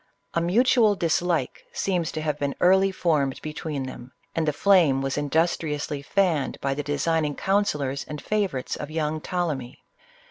A mutual dislike seems to have been, early formed between them ; and the flame was industri ously fanned by the designing counsellors and favor ites of young Ptolemy.